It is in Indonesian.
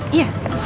terima kasih dok ya